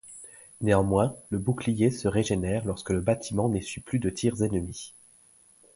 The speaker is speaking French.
Néanmoins, le bouclier se régénère lorsque le bâtiment n'essuie plus de tirs ennemis.